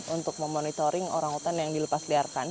untuk memonitoring orangutan yang dilepasliarkan